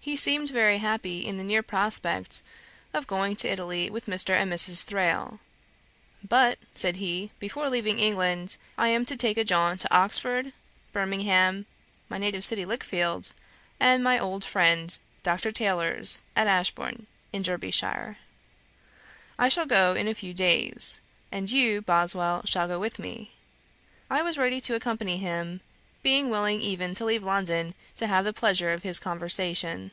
He seemed very happy in the near prospect of going to Italy with Mr. and Mrs. Thrale. 'But, (said he,) before leaving England I am to take a jaunt to Oxford, Birmingham, my native city Lichfield, and my old friend, Dr. Taylor's, at Ashbourn, in Derbyshire. I shall go in a few days, and you, Boswell, shall go with me.' I was ready to accompany him; being willing even to leave London to have the pleasure of his conversation.